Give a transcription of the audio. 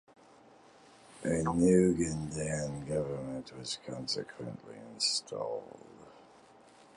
A new Ugandan government was consequently installed.